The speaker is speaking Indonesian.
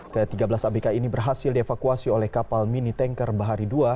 ke tiga belas abk ini berhasil dievakuasi oleh kapal mini tanker bahari dua